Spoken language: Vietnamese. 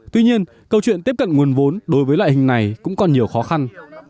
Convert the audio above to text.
tuy nhiên câu chuyện tiếp cận nguồn vốn đối với loại hình này cũng còn nhiều khó khăn